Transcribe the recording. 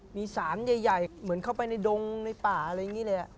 มีสารใหญ่เหมือนเข้าไปในดงในป่าอะไรอย่างนี้เลย